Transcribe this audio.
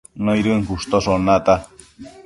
nëidën cushtoshon nata